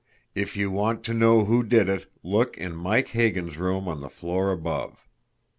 "IF YOU WANT TO KNOW WHO DID IT, LOOK IN MIKE HAGAN'S ROOM ON THE FLOOR ABOVE."